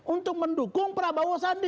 untuk mendukung prabowo sandi